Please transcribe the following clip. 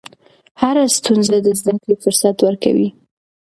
هره ستونزه د زدهکړې فرصت ورکوي.